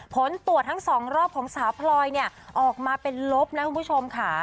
ผลตรวจทั้งสองรอบของสาวพลอยเนี่ยออกมาเป็นลบนะคุณผู้ชมค่ะ